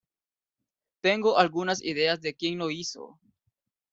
Tengo algunas ideas de quien lo hizo.